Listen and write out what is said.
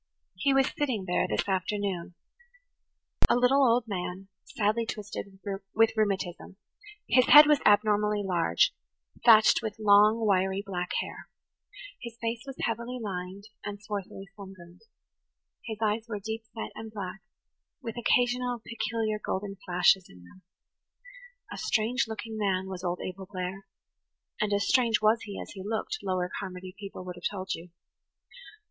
He was sitting there this afternoon–a little old man, sadly twisted with rheumatism; his head was abnormally large, thatched with long, wiry black hair; his face was heavily lined and swarthily sunburned; his eyes were deep set and black, with occasional peculiar golden flashes in them. A strange looking man was old Abel Blair; and as strange was he as he looked, Lower Carmody people would have told you.